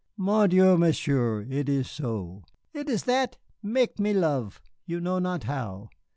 "Mon Dieu, Monsieur, it is so. It is that mek me love you know not how.